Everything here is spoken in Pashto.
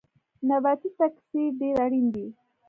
نباتي تکثیر ډیر اړین دی